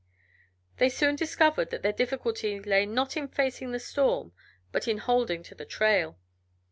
They soon discovered that their difficulty lay not in facing the storm, but in holding to the trail.